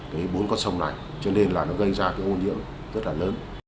cái bốn con sông này cho nên là nó gây ra cái ô nhiễm rất là lớn